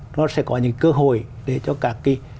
nó sẽ có những cơ hội để cho các cái